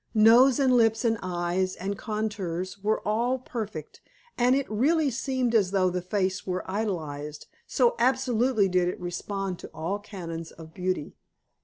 Nose and lips and eyes, and contours, were all perfect, and it really seemed as though the face were idealized, so absolutely did it respond to all canons of beauty.